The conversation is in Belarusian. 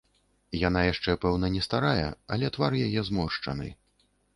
Яна яшчэ, пэўна, не старая, але твар яе зморшчаны.